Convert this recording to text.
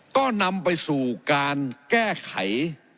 ก็นำไปสู่การแก้ไข